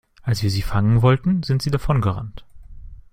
Als wir sie fangen wollten, sind sie davongerannt.